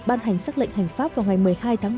ban hành xác lệnh hành pháp vào ngày một mươi hai tháng bảy